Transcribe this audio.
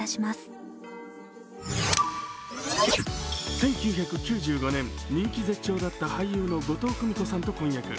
１９９５年人気絶頂だった俳優の後藤久美子さんと婚約。